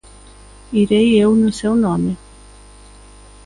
Irei eu no seu nome.